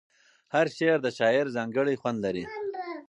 هر شعر د شاعر ځانګړی خوند لري.